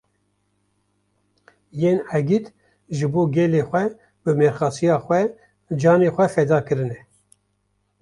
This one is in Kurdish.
Yên egît ji bo gelê xwe bi mêrxasiya xwe, canê xwe feda kirine